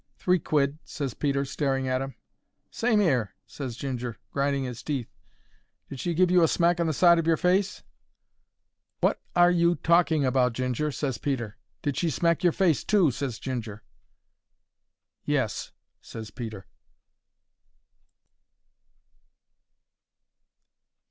"Three quid," ses Peter, staring at 'im. "Same 'ere," ses Ginger, grinding his teeth. "Did she give you a smack on the side of your face?" "Wot—are—you—talking about, Ginger?" ses Peter. "Did she smack your face too?" ses Ginger. "Yes," ses Peter.